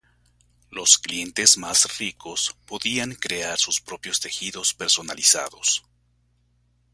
Los clientes más ricos podían crear sus propios tejidos personalizados.